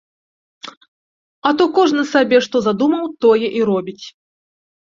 А то кожны сабе што задумаў, тое і робіць.